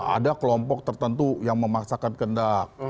ada kelompok tertentu yang memaksakan kendak